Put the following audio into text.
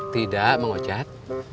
tidak mang ocat